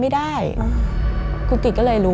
มันกลายเป็นรูปของคนที่กำลังขโมยคิ้วแล้วก็ร้องไห้อยู่